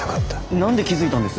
何で気付いたんです？